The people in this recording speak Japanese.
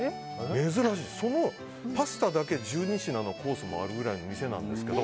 珍しい、そのパスタだけで１２品のコースもあるぐらいの店なんですけど。